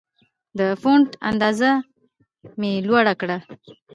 د فونټ اندازه مې لوړه کړه.